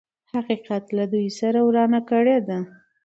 حقيقت له دوی سره ورانه کړې ده.